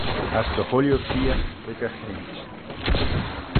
As dy chooilley feeagh lurg e cheint.